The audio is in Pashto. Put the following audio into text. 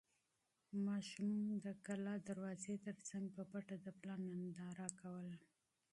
ماشوم د کلا د دروازې تر څنګ په پټه د پلار ننداره کوله.